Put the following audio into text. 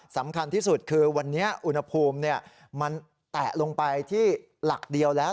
สำคัญที่สุดคือวันนี้อุณหภูมิมันแตะลงไปที่หลักเดียวแล้ว